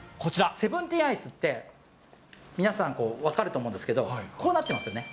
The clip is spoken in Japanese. セブンティーンアイスって、皆さん、分かると思うんですけど、こうなってますよね。